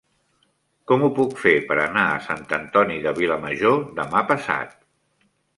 Com ho puc fer per anar a Sant Antoni de Vilamajor demà passat?